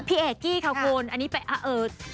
พี่เอกกี้ค่ะคุณอันนี้ไปเอ่อ